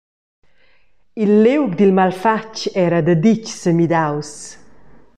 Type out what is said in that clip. Il liug dil malfatg era daditg semidaus.